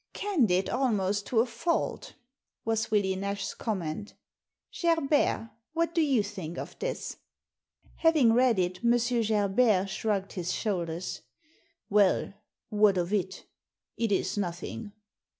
" Candid almost to a fault," was Willie Nash's com ment " Gerbert, what do you think of this ?" Having read it, M. Gerbert shrugged his shoulders. " Well, what of it ? It is nothing."